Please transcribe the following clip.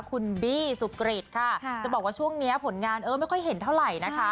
คุณบี้สุกริตค่ะจะบอกว่าช่วงนี้ผลงานเออไม่ค่อยเห็นเท่าไหร่นะคะ